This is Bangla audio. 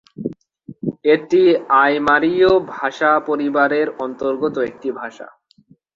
এটি আইমারীয় ভাষাপরিবারের অন্তর্গত একটি ভাষা।